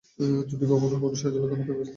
যদি কখনো কোনো সাহায্য লাগে, আমাকে ব্যস বলবে।